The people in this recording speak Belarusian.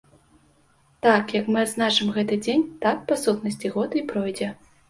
Так, як мы адзначым гэты дзень, так, па сутнасці, год і пройдзе.